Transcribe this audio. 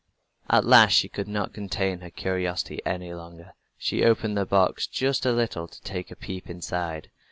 At last she could not contain her curiosity any longer. She opened the box just a little to take a peep inside.